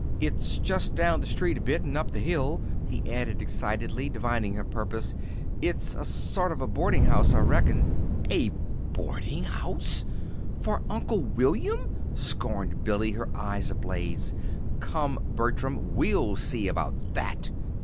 "It's just down the street a bit and up the hill," he added excitedly, divining her purpose. "It's a sort of a boarding house, I reckon." "A boarding house for Uncle William!" scorned Billy, her eyes ablaze. "Come, Bertram, we'll see about that."